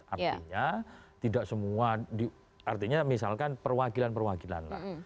artinya tidak semua artinya misalkan perwakilan perwakilan lah